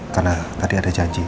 karena tadi ada janji